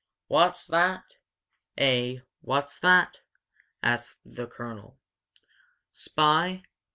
"What's that? 'Eh, what's that?" asked the colonel. "Spy?